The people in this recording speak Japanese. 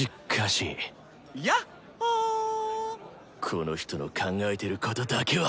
この人の考えてることだけは。